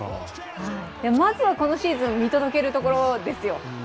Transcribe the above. まずはこのシーズン見届けるところですよ。